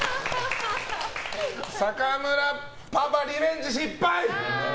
坂村パパ、リベンジ失敗。